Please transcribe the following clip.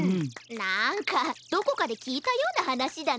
なんかどこかできいたようなはなしだな。